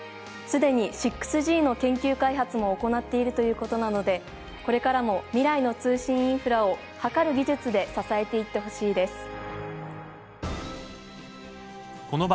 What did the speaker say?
すでに６Ｇの研究開発も行っているということなのでこれからも未来の通信インフラをはかる技術で支えていってほしいです。